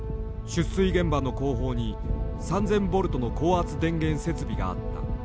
出水現場の後方に３，０００ボルトの高圧電源設備があった。